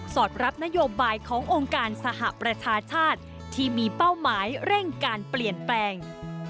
อดรับนโยบายขององค์การสหประชาชาติที่มีเป้าหมายเร่งการเปลี่ยนแปลง